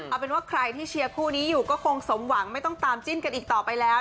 เอาเป็นว่าใครที่เชียร์คู่นี้อยู่ก็คงสมหวังไม่ต้องตามจิ้นกันอีกต่อไปแล้ว